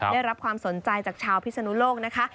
ได้รับความสนใจจากชาวพิศนุโลกนะคะ